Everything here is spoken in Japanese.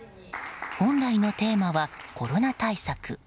本来のテーマはコロナ対策。